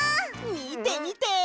みてみて！